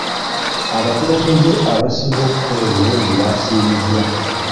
Abakulembeze abaasinga okukola obulungi baasiimiddwa.